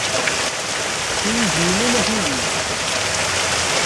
tiwizi-inu ma tuli.